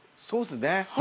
そうっすね。